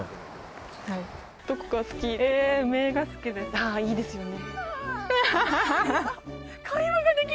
ああいいですよね